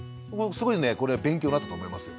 すごいねこれは勉強になったと思いますよ。